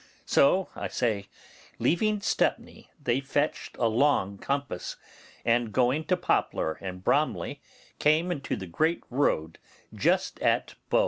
So, I say, leaving Stepney they fetched a long compass, and going to Poplar and Bromley, came into the great road just at Bow.